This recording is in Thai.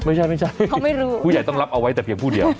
ไม่ใช่ไม่ใช่เขาไม่รู้ผู้ใหญ่ต้องรับเอาไว้แต่เพียงผู้เดียว